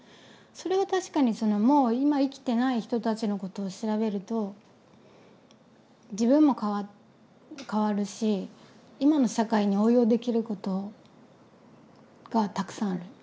それは確かにそのもう今生きてない人たちのことを調べると自分も変わるし今の社会に応用できることがたくさんある。